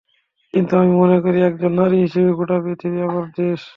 কিন্তু আমি মনে করি, একজন নারী হিসেবে গোটা পৃথিবীই আমার দেশ।